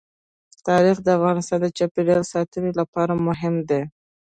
تاریخ د افغانستان د چاپیریال ساتنې لپاره مهم دي.